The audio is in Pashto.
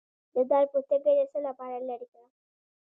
د دال پوستکی د څه لپاره لرې کړم؟